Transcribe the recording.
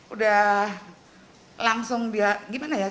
udah langsung ya gimana ya